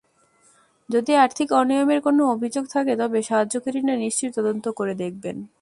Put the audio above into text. যদি আর্থিক অনিয়মের কোনো অভিযোগ থাকে, তবে সাহায্যকারীরা নিশ্চয়ই তদন্ত করে দেখবেন।